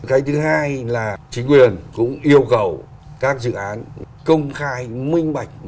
cái thứ hai là chính quyền cũng yêu cầu các dự án công khai minh bạch